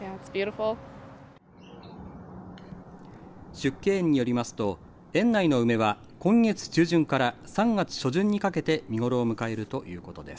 縮景園によりますと園内の梅は今月中旬から３月初旬にかけて見頃を迎えるということです。